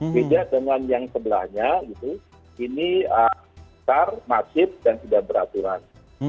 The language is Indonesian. beda dengan yang sebelahnya ini besar masif dan tidak beraturan